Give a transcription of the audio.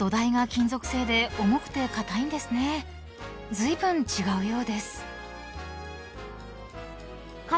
［ずいぶん違うようです］